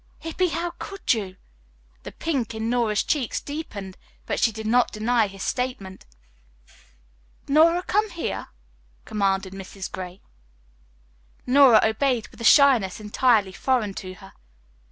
"Hippy, how could you?" The pink in Nora's cheeks deepened, but she did not deny his statement. "Nora, come here," commanded Mrs. Gray. Nora obeyed with a shyness entirely foreign to her.